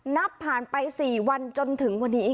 นับผ่านไป๔วันจนถึงวันนี้